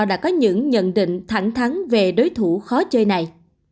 đã có những nhận định thẳng thắn về đối thủ khó chơi này